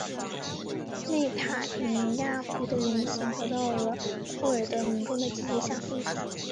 内塔尼亚胡的言行得到了库尔德民众的积极响应。